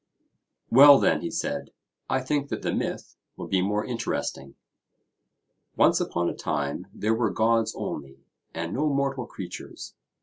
Well, then, he said, I think that the myth will be more interesting. Once upon a time there were gods only, and no mortal creatures.